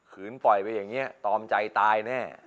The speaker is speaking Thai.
ปล่อยไปอย่างนี้ตอมใจตายแน่